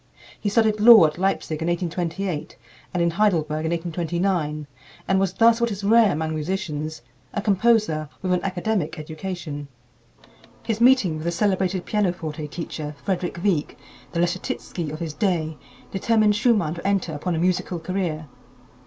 He studied law at Leipzig in 1828 and in Heidelberg in 1829, and was thus what is rare among musicians a composer with an academic education. His meeting with the celebrated pianoforte teacher, Frederick Wieck, the Leschetitzki of his day, determined Schumann to enter upon a musical career.